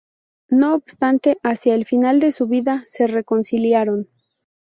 No obstante, hacia el final de su vida se reconciliaron.